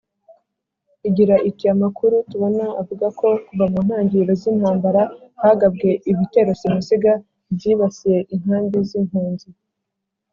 igira iti: amakuru tubona avuga ko kuva mu ntangiriro z'intambara hagabwe ibitero simusiga byibasiye inkambi z'impunzi